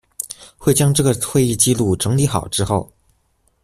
會將這個會議紀錄整理好之後